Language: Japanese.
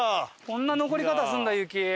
こんな残り方するんだ雪。